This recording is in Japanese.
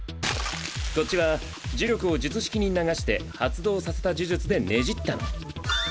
こっちは呪力を術式に流して発動させた呪術でねじったの。